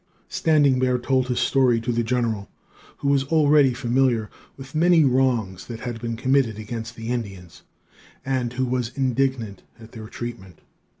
Standing Bear told his story to the general, who was already familiar with many wrongs that had been committed against the Indians, and who was indignant at their treatment.